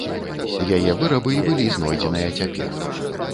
Яе вырабы і былі знойдзеныя цяпер.